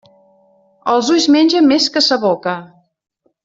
Els ulls mengen més que sa boca.